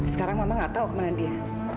sekarang mama gak tahu kemana dia